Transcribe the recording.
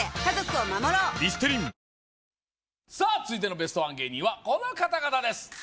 続いてのベストワン芸人はこの方々です